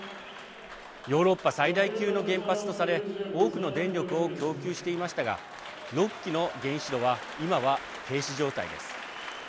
ヨーロッパ最大級の原発とされ多くの電力を供給していましたが６基の原子炉は今は停止状態です。